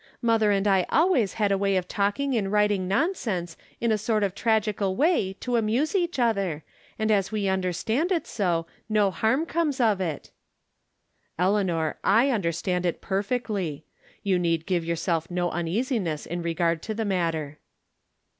Mother and I always had a way of talking and writing nonsense in a sort of tragical way to amuse each other, and as we understand it so, no harm comes of it." " Eleanor, I understand it, perfectly. You need give yourself no uneasiness in regard to the matter."